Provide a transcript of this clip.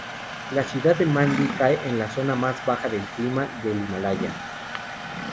La ciudad de Mandi cae en la zona más baja del clima del Himalaya.